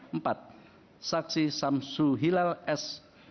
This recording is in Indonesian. empat saksi samsu hilal s